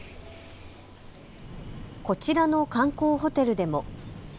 こちらの観光ホテルでも。